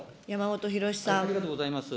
ありがとうございます。